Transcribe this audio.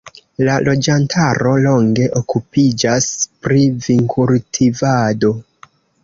La loĝantaro longe okupiĝas pri vinkultivado.